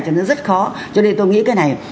cho nó rất khó cho nên tôi nghĩ cái này